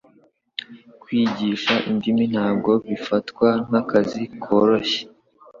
Kwigisha indimi ntabwo bifatwa nkakazi koroshye.